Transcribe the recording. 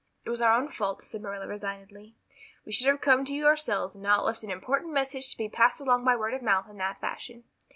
"It was our own fault," said Marilla resignedly. "We should have come to you ourselves and not left an important message to be passed along by word of mouth in that fashion.